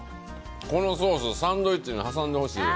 このソース、サンドイッチに挟んでほしいわ。